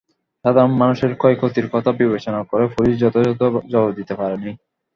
সাধারণ মানুষের ক্ষয়ক্ষতির কথা বিবেচনা করে পুলিশ যথাযথ জবাব দিতে পারেনি।